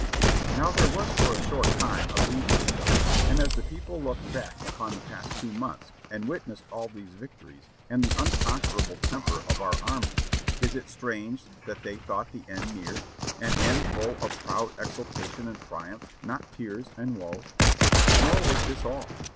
Now there was for a short time a breathing spell, and as the people looked back upon the past two months and witnessed all these victories and the unconquerable temper of our armies, is it strange that they thought the end near — an end full of proud ex ultation and triumph, not tears and woe? 588 JOHNNY REB AND BILLY YANK Nor was this all.